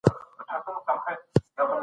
د کامي ولسوالي په وړه امریکا شهرت لری